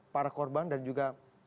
para korban dan juga